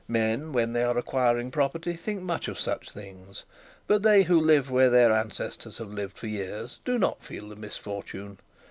Men, when they are acquiring property, think much of such things, but they who live where their ancestors have lived for years, do not feel the misfortune.